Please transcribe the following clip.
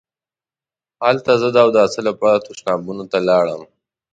هلته زه د اوداسه لپاره تشنابونو ته لاړم.